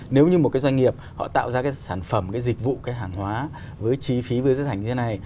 nếu như một cái doanh nghiệp họ tạo ra cái sản phẩm cái dịch vụ cái hàng hóa với chi phí với giới hành như thế này